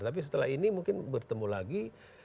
tapi setelah ini mungkin bertemu lagi